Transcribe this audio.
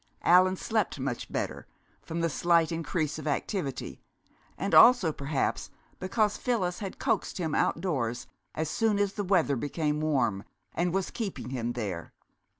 Allan slept much better, from the slight increase of activity, and also perhaps because Phyllis had coaxed him outdoors as soon as the weather became warm, and was keeping him there.